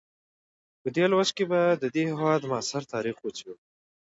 په دې لوست کې به د دې هېواد معاصر تاریخ وڅېړو.